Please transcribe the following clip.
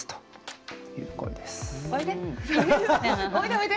おいで。